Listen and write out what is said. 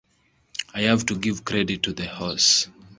I have to give credit to the horse.